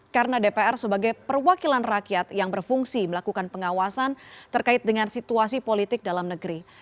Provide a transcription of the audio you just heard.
karena dpr sebagai perwakilan rakyat yang berfungsi melakukan pengawasan terkait dengan situasi politik dalam negeri